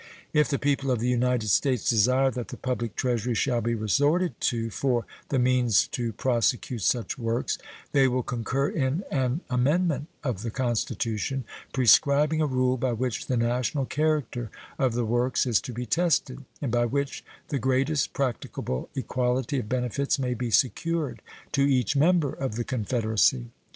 If the people of the United States desire that the public Treasury shall be resorted to for the means to prosecute such works, they will concur in an amendment of the Constitution prescribing a rule by which the national character of the works is to be tested, and by which the greatest practicable equality of benefits may be secured to each member of the Confederacy.